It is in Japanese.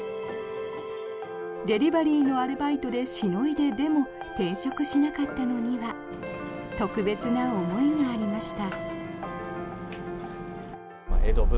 デリバリーのアルバイトでしのいででも転職しなかったのには特別な思いがありました。